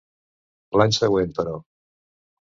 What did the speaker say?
L'any següent, però.